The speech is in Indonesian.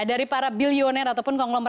dari para bilioner ataupun konglometer